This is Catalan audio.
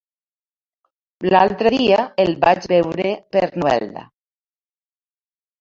L'altre dia el vaig veure per Novelda.